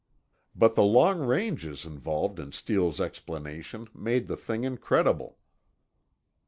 But the long ranges involved in Steele's explanation made the thing incredible.